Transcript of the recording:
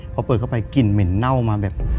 พอเปิดเข้าไปกลิ่นเหม็นเน่ามาแบบ